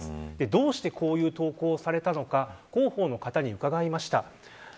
どうしてこういう投稿をされたのか広報の方に伺いました。